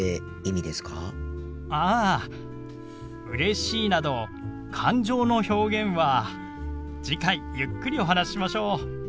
ああ「うれしい」など感情の表現は次回ゆっくりお話ししましょう。